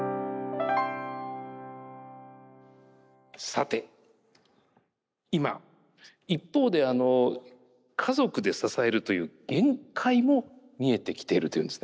さて今一方で家族で支えるという限界も見えてきているというんですね。